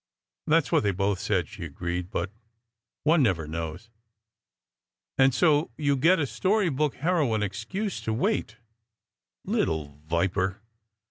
SECRET HISTORY 85 "That s what they both said," she agreed, "but one never knows." "And so you get a story book heroine excuse to wait!" "Little viper!"